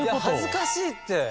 恥ずかしいって。